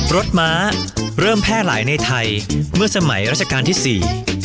รถม้าเริ่มแพร่หลายในไทยเมื่อสมัยรัฐการณ์ที่๔